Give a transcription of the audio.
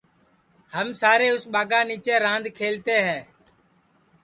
ہم سارے اُس ٻاگا کے نیچے راند کھلتے ہے